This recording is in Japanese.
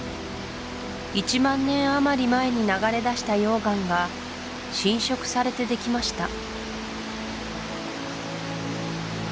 １万年あまり前に流れ出した溶岩が浸食されてできました